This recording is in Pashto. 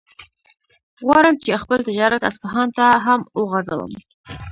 غواړم چې خپل تجارت اصفهان ته هم وغځوم.